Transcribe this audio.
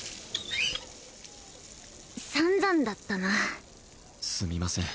散々だったなすみません